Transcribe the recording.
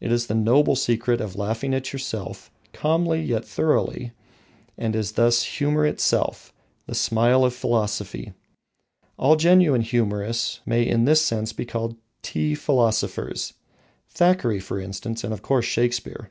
It is the noble secret of laughing at yourself, calmly yet thoroughly, and is thus humour itself, the smile of philosophy. All genuine humourists may in this sense be called tea philosophers, Thackeray, for instance, and of course, Shakespeare.